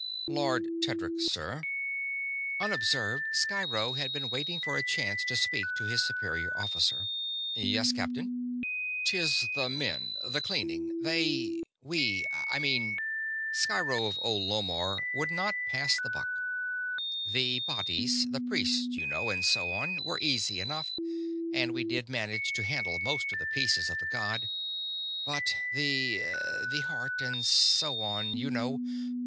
"Lord Tedric, sir." Unobserved, Sciro had been waiting for a chance to speak to his superior officer. "Yes, captain?" "'Tis the men ... the cleaning ... They ... We, I mean ..." Sciro of Old Lomarr would not pass the buck. "The bodies the priests, you know, and so on were easy enough; and we did manage to handle most of the pieces of the god. But the ... the heart, and so on, you know